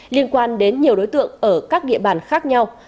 liên quan đến nhiều đối tượng ở các địa bàn khác nhau